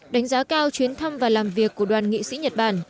đánh giá cao chuyến thăm và làm việc của đoàn nghị sĩ nhật bản